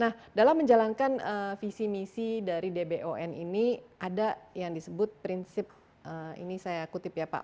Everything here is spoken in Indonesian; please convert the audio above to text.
nah dalam menjalankan visi misi dari dbon ini ada yang disebut prinsip ini saya kutip ya pak